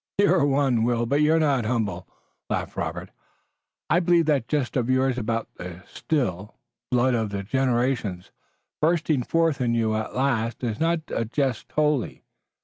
"You're one, Will, but you're not humble," laughed Robert. "I believe that jest of yours about the still, blood of generations bursting forth in you at last is not a jest wholly.